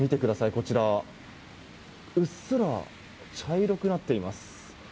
こちら、うっすら茶色くなっています。